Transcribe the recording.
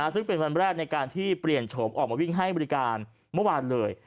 ซึ่งเป็นวันแรกในการที่เปลี่ยนโฉมออกมาวิ่งให้บริการเมื่อวานเลย